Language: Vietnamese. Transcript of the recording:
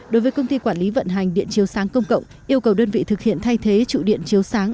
đối với công ty quản lý vận hành điện chiếu sáng công cộng yêu cầu đơn vị thực hiện thay thế trụ điện chiếu sáng